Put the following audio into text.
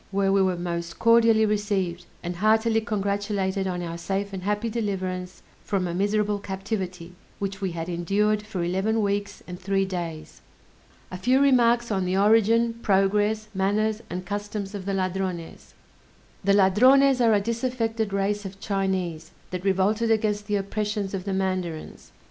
where we were most cordially received, and heartily congratulated on our safe and happy deliverance from a miserable captivity, which we had endured for eleven weeks and three days. A few Remarks on the Origin, Progress, Manners, and Customs of the Ladrones The Ladrones are a disaffected race of Chinese, that revolted against the oppressions of the mandarins.